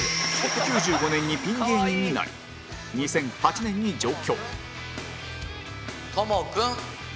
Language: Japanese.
９５年にピン芸人になり２００８年に上京とも君。